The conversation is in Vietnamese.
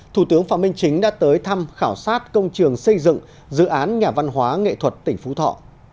thủ tướng phạm minh chính đã tới thăm khảo sát công trường xây dựng dự án nhà văn hóa nghệ thuật tỉnh phú thọ